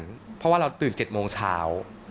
เพราะว่าเราตื่น๗โมงเช้า